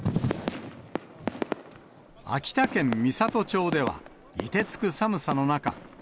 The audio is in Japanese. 秋田県美郷町では、凍てつく寒さの中。